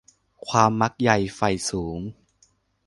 ความมักใหญ่ใฝ่สูง